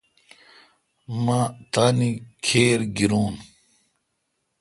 مہتانی کھِر گیرون۔